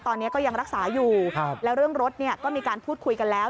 ตอนนี้ก็ยังรักษาอยู่แล้วเรื่องรถเนี่ยก็มีการพูดคุยกันแล้ว